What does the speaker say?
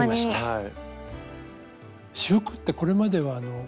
はい。